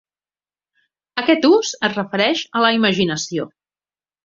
Aquest ús es refereix a la imaginació.